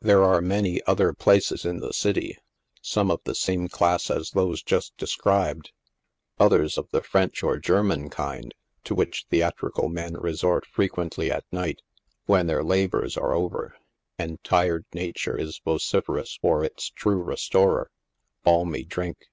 There are many other places in the city, some of the same class as those just described, others of the French or German land, to which theatrical men resort frequently at night, when their labors are over, and tired nature is vociferous for its true restorer — balmy drink.